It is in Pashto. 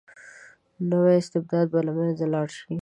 نو استبداد به له منځه لاړ شي.